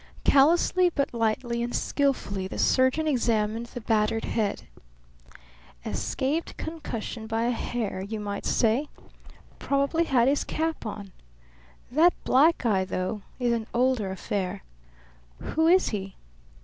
Callously but lightly and skillfully the surgeon examined the battered head. "Escaped concussion by a hair, you might say. Probably had his cap on. That black eye, though, is an older affair. Who is he?"